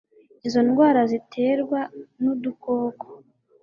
Izo ndwara ziterwa n'udukoko